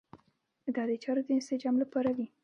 دا د چارو د انسجام لپاره وي.